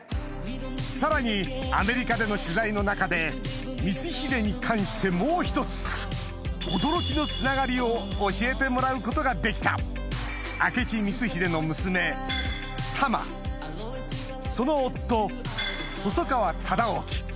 さらにアメリカでの取材の中で光秀に関してもう一つ驚きのつながりを教えてもらうことができた明智光秀の娘玉その夫細川忠興